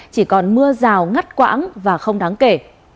chỉ còn mưa rào ngắt quãng và không đáng kể